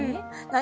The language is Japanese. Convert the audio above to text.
何？